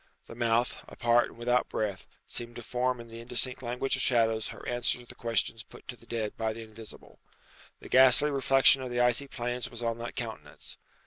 The mouth, apart and without breath, seemed to form in the indistinct language of shadows her answer to the questions put to the dead by the invisible. The ghastly reflection of the icy plains was on that countenance.